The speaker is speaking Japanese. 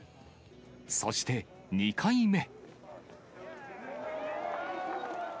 そして、２回目。